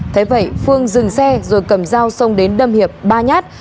thế vậy phương dừng xe rồi cầm dao xông đến đâm hiệp ba nhát